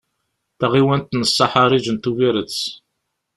Taɣiwant n Saḥariǧ n Tuviret.